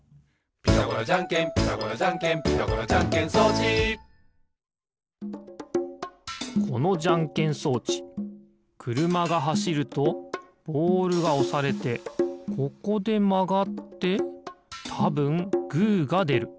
「ピタゴラじゃんけんピタゴラじゃんけん」「ピタゴラじゃんけん装置」このじゃんけん装置くるまがはしるとボールがおされてここでまがってたぶんグーがでる。